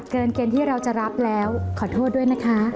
เกินเกณฑ์ที่เราจะรับแล้วขอโทษด้วยนะคะ